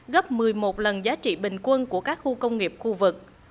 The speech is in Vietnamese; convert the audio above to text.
gấp một mươi một lần giá trị bình quân của các khu công nghiệp khu vực